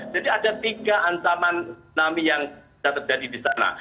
jadi ada tiga ancaman tsunami yang sudah terjadi di sana